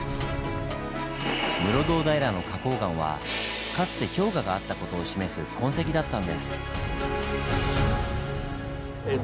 室堂平の花崗岩はかつて氷河があった事を示す痕跡だったんです。